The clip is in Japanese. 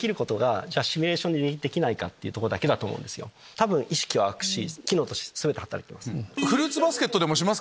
多分意識はあくし機能として全て働きます。